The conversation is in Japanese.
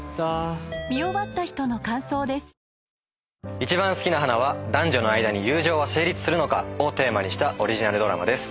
『いちばんすきな花』は男女の間に友情は成立するのかをテーマにしたオリジナルドラマです。